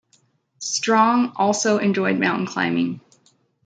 Strong also enjoyed mountain climbing.